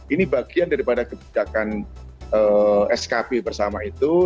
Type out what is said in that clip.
ini bagian daripada kebijakan skb bersama itu